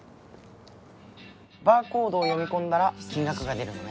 バーコードを読み込んだら金額が出るのね。